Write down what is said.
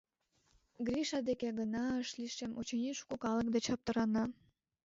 Гриша деке гына ыш лишем, — очыни, шуко калык деч аптырана.